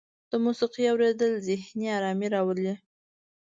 د موسیقۍ اوریدل ذهني ارامۍ راولي.